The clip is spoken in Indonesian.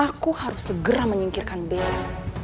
aku harus segera menyingkirkan bell